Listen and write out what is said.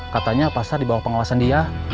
katanya pasar dibawa pengawasan dia